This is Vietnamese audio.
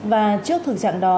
và trước thực trạng đó